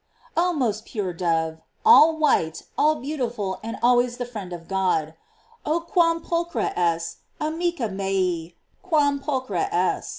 Oh most pure dove, all white, all beautiful, and al ways the friend of God: <%O quam pulchra es, arni ca mea, quam pulchra es."